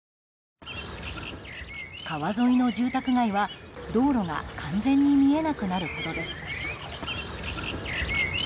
川沿いの住宅街は、道路が完全に見えなくなるほどです。